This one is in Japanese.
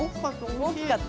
大きかった？